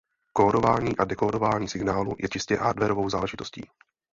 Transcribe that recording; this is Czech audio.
Kódování a dekódování signálů je čistě hardwarovou záležitostí.